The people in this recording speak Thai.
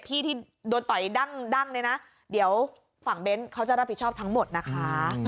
พี่ที่โดนต่อยดั้งเนี่ยนะเดี๋ยวฝั่งเบ้นเขาจะรับผิดชอบทั้งหมดนะคะ